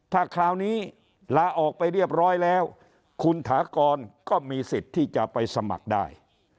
ถ้าคราวนี้ลาออกไปเรียบร้อยแล้วคุณถากรก็มีสิทธิ์ที่จะไปสมัครได้